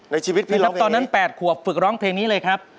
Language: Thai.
ในชีวิตพี่ครับตอนนั้น๘ขวบฝึกร้องเพลงนี้เลยครับ